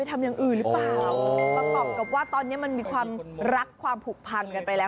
ตอนนี้มันมีความรักความผูกพันกันไปแล้ว